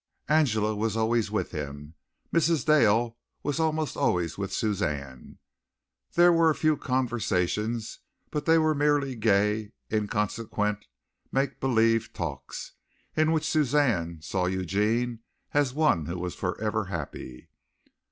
Angela was always with him. Mrs. Dale almost always with Suzanne. There were a few conversations, but they were merely gay, inconsequent make believe talks, in which Suzanne saw Eugene as one who was forever happy.